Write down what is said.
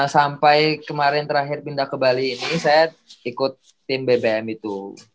sampai kemarin terakhir pindah ke bali ini saya ikut tim bbm itu